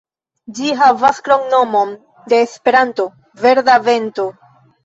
Ĝi havas kromnomon de Esperanto, "Verda Vento".